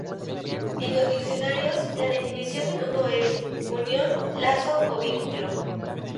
En los diccionarios la definición de nudo es: unión, lazo o vínculo.